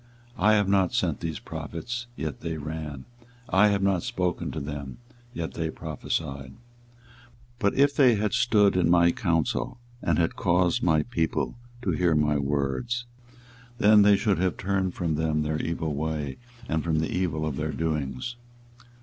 24:023:021 I have not sent these prophets, yet they ran: I have not spoken to them, yet they prophesied. 24:023:022 But if they had stood in my counsel, and had caused my people to hear my words, then they should have turned them from their evil way, and from the evil of their doings.